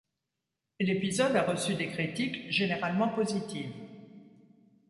L'épisode a reçu des critiques généralement positives.